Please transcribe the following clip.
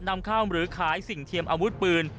นำเข้าหรือขายสิ่งเทียมอาวุธปืน